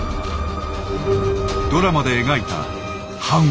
ドラマで描いた半割れ。